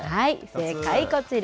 正解、こちら。